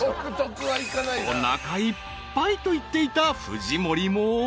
［おなかいっぱいと言っていた］